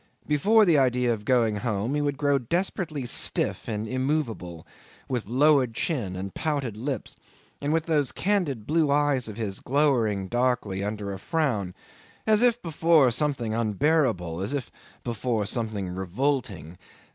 Before the idea of going home he would grow desperately stiff and immovable, with lowered chin and pouted lips, and with those candid blue eyes of his glowering darkly under a frown, as if before something unbearable, as if before something revolting.